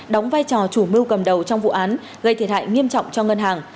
đóng vai trò chủ mưu cầm đầu trong vụ án gây thiệt hại nghiêm trọng cho ngân hàng